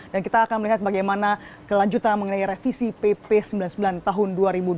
dan kita akan melihat bagaimana kelanjutan mengenai revisi pp sembilan puluh sembilan tahun dua ribu dua belas